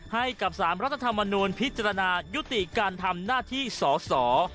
ให้กับสารรัฐธรรมนูลพิจารณายุติการทำหน้าที่สอสอ